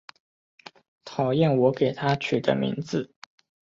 讨厌我给她取的名字